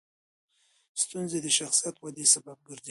ستونزې د شخصیت ودې سبب ګرځي.